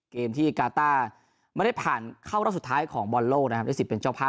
เกมที่กาต้าไม่ได้ผ่านเข้ารอบสุดท้ายของบอลโลกนะครับได้สิทธิ์เป็นเจ้าภาพ